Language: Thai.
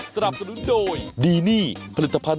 สวัสดีครับ